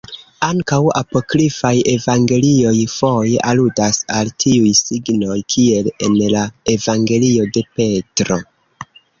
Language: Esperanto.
Ankaŭ apokrifaj evangelioj foje aludas al tiuj signoj kiel en la evangelio de Petro.